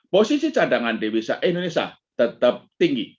posisi cadangan di indonesia tetap tinggi